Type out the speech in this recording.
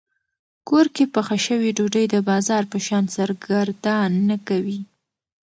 کور کې پخه شوې ډوډۍ د بازار په شان سرګردان نه کوي.